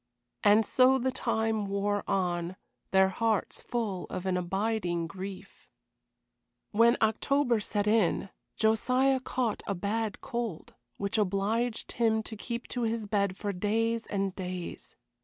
And so the time wore on, their hearts full of an abiding grief. When October set in Josiah caught a bad cold, which obliged him to keep to his bed for days and days.